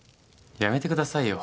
やめてくださいよ。